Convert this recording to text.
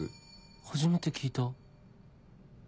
初めて聞いた